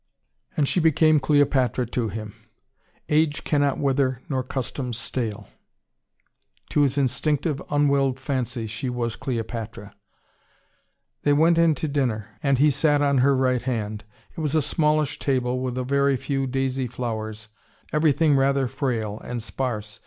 And she became Cleopatra to him. "Age cannot wither, nor custom stale " To his instinctive, unwilled fancy, she was Cleopatra. They went in to dinner, and he sat on her right hand. It was a smallish table, with a very few daisy flowers: everything rather frail, and sparse.